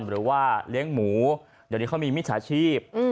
หรือว่าเลี้ยงหมูเดี๋ยวนี้เขามีมิจฉาชีพ